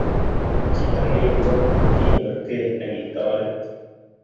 chito ne ibwate kinyoor kei nikotoret